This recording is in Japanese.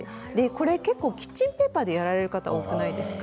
これ結構キッチンペーパーでやられる方、多くないですか？